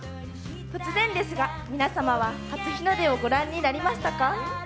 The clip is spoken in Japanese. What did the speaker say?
突然ですが皆様は初日の出をご覧になりましたか？